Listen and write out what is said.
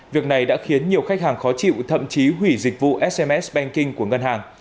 việc này đã khiến nhiều khách hàng khó chịu thậm chí hủy dịch vụ sms banking của ngân hàng